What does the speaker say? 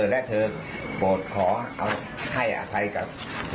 และเธอโปรดขอให้อภัยกับ